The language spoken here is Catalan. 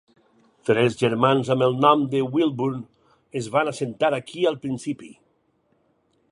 Tres germans amb el nom de Wilburn es van assentar aquí al principi.